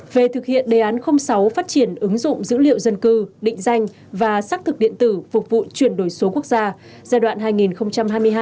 về thực hiện đề án sáu phát triển ứng dụng dữ liệu dân cư định danh và xác thực điện tử phục vụ chuyển đổi số quốc gia